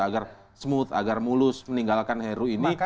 agar smooth agar mulus meninggalkan heru ini